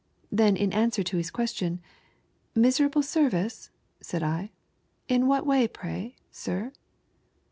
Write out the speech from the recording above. Then in answer to his question, "Miserable service?" said I, "in what way pray, sir